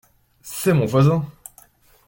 C’est mon voisin.